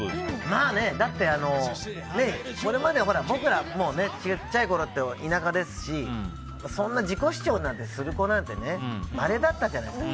まあね、だってこれまで僕ら、小さいころって田舎ですし、そんな自己主張する子なんてまれだったじゃないですか。